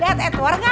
lihat edward enggak